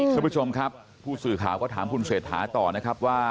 คุณผู้ชมครับผู้สื่อข่าวก็ถามคุณเศรษฐาต่อนะครับว่า